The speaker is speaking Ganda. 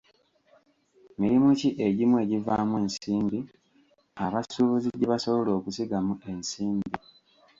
Mirimu ki egimu egivaamu ensimbi abasuubuzi gye basobola okusigamu ensimbi.